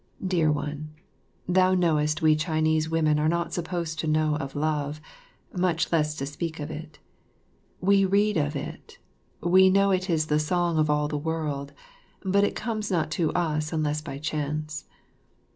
Dear one, thou knowest we Chinese women are not supposed to know of love, much less to speak of it. We read of it, we know it is the song of all the world, but it comes not to us unless by chance.